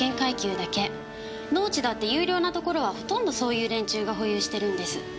農地だって優良な所はほとんどそういう連中が保有してるんです。